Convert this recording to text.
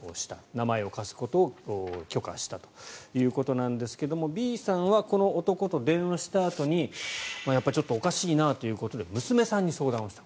名前を貸すことを許可したということなんですがＢさんはこの男と電話したあとにやっぱり、ちょっとおかしいなということで娘さんに相談をした。